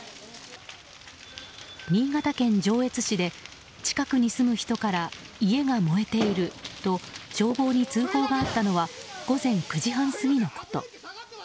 新潟県上越市で近くに住む人から家が燃えていると消防に通報があったのは午前９時半過ぎのこと。